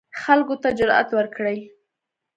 خلکو ته جرئت ورکړي